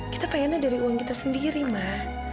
kita pengennya dari uang kita sendiri mah